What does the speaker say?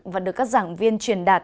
và được các giảng viên truyền đạt